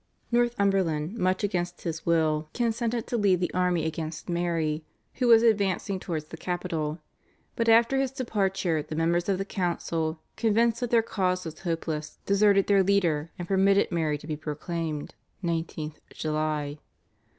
Northumberland, much against his will, consented to lead the army against Mary, who was advancing towards the capital, but after his departure, the members of the council, convinced that their cause was hopeless, deserted their leader, and permitted Mary to be proclaimed (19th July).